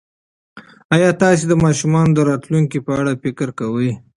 ایا تاسي د ماشومانو د راتلونکي په اړه فکر کوئ؟